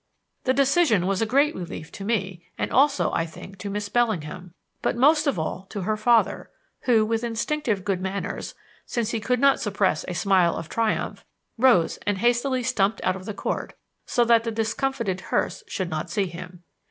The decision was a great relief to me, and also, I think, to Miss Bellingham; but most of all to her father, who, with instinctive good manners, since he could not suppress a smile of triumph, rose and hastily stumped out of the Court, so that the discomfited Hurst should not see him.